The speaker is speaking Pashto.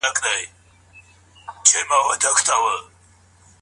هو، عمر رض د اوبو لګولو نوي کانالونه او بندونه جوړ کړل.